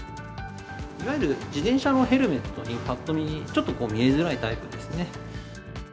いわゆる自転車のヘルメットに、ぱっと見、ちょっと見えづらいタイプですね。